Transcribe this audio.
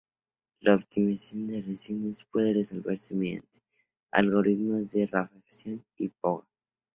La optimización de restricciones puede resolverse mediante algoritmos de Ramificación y poda.